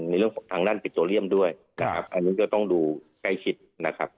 ในเรื่องของทางด้านปิโตเรียมด้วยนะครับอันนี้ก็ต้องดูใกล้ชิดนะครับ